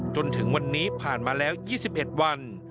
จนถึงวันนี้ผ่านมาแล้ว๒๑วัน